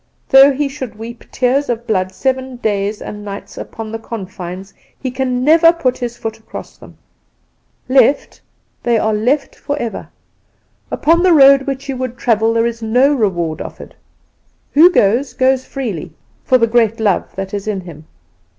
Though he should weep tears of blood seven days and nights upon the confines, he can never put his foot across them. Left they are left forever. Upon the road which you would travel there is no reward offered. Who goes, goes freely for the great love that is in him.